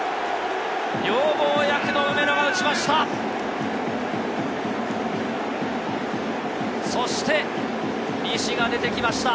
女房役の梅野が打ちました。